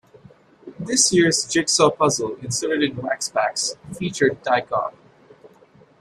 This year's jigsaw puzzle inserted in wax packs featured Ty Cobb.